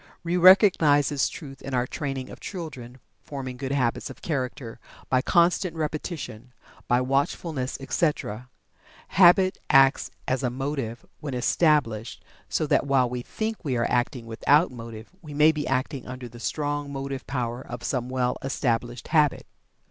We recognize this truth in our training of children, forming goods habits of character by constant repetition, by watchfulness, etc. Habit acts as a motive when established, so that while we think we are acting without motive we may be acting under the strong motive power of some well established habit.